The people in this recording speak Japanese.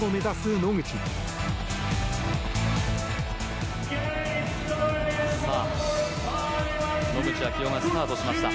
野口啓代がスタートしました。